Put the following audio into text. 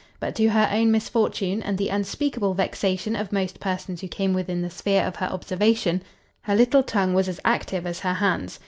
But to her own misfortune, and the unspeakable vexation of most persons who came within the sphere of her observation, her little tongue was as active as her hands.